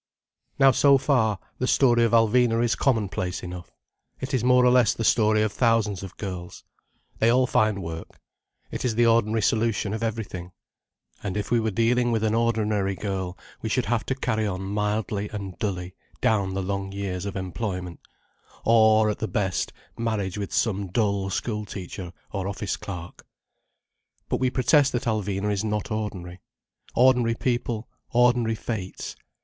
Now so far, the story of Alvina is commonplace enough. It is more or less the story of thousands of girls. They all find work. It is the ordinary solution of everything. And if we were dealing with an ordinary girl we should have to carry on mildly and dully down the long years of employment; or, at the best, marriage with some dull school teacher or office clerk. But we protest that Alvina is not ordinary. Ordinary people, ordinary fates.